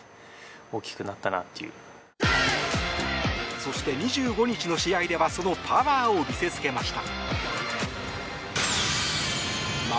そして、２５日の試合ではそのパワーを見せつけました。